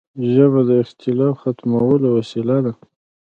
ژبه د اختلاف ختمولو وسیله ده